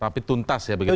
tapi tuntas ya begitu ya